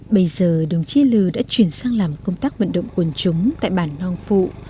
bây giờ đồng chí lư đã chuyển sang làm công tác vận động quần chúng tại bàn long phụ